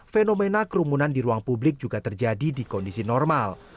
fenomena kerumunan di ruang publik juga terjadi di kondisi normal